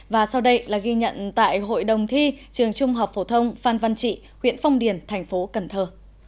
và sau đây là ghi nhận tại hội đồng thi trường trung học phổ thông phan văn trị huyện phong điền thành phố cần thơ